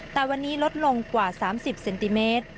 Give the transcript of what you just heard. แต่วันนี้ลดลงกว่า๓๐เซนติเมตร